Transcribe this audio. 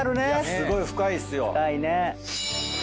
すごい深いっすよ。